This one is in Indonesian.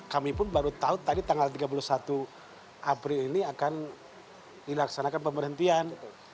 kami pun baru tahu tadi tanggal tiga puluh satu april ini akan dilaksanakan pemberhentian